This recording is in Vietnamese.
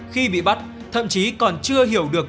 khi bị bắt thậm chí còn chưa hiểu được